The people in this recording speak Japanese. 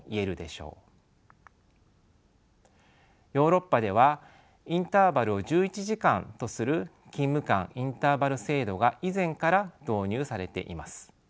ヨーロッパではインターバルを１１時間とする勤務間インターバル制度が以前から導入されています。